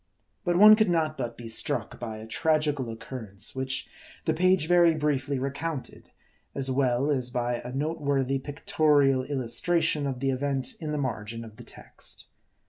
But one could not but be struck by a tragical occurrence, which the page very briefly recounted :. as well, as by a note worthy pictorial illustration of the event in the margin of the text.